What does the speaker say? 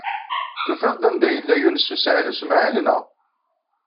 Tufid-d anda yella Yunes u Saɛid u Smaɛil, naɣ?